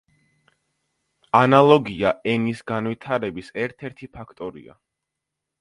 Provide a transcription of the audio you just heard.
ანალოგია ენის განვითარების ერთ-ერთი ფაქტორია.